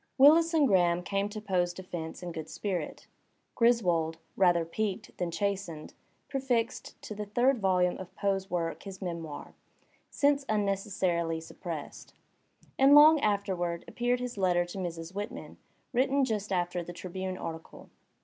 Willis and Graham came to Poe's defence in good spirit. Griswold, rather piqued than chastened, prefixed to the third volume of Poe's work his memoir, since unneces sarily suppressed. And long afterward appeared his letter to Mrs. Whitman, written just after the Tribune article.